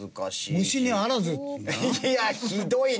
いやひどいな。